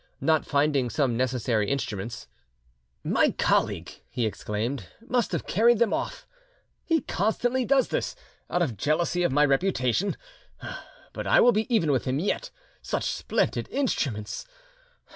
Not finding some necessary instruments, "My colleague," he exclaimed, "must have carried them off. He constantly does this, out of jealousy of my reputation; but I will be even with him yet! Such splendid instruments!